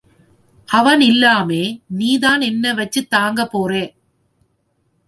அவன் இல்லாமே நீதான் என்னெ வச்சுத் தாங்கப் போறே.